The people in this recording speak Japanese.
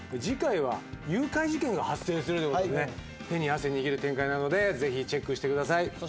次回は誘拐事件が発生するという事でね手に汗握る展開なのでぜひチェックしてください。